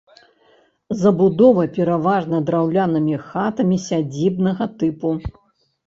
Забудова пераважна драўлянымі хатамі сядзібнага тыпу.